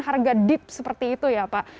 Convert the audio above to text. harga deep seperti itu ya pak